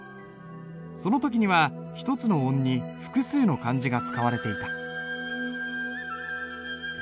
その時には１つの音に複数の漢字が使われていた。